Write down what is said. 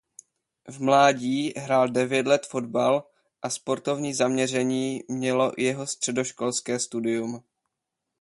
V mládí hrál devět let fotbal a sportovní zaměření mělo i jeho středoškolské studium.